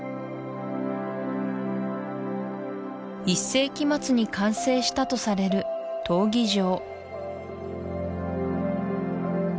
１世紀末に完成したとされる闘技場